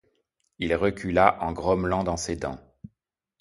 Il recula en grommelant dans ses dents :